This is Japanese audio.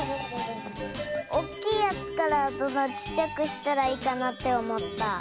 おっきいやつからどんどんちっちゃくしたらいいかなっておもった。